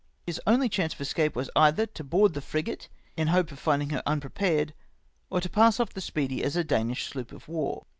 " His only chance of escape was, either to board the frigate, in the hope of finding her unprepared, or to pass off the Speedy as a Danish sloop of war.